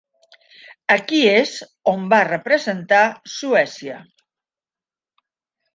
Aquí és on va representar Suècia.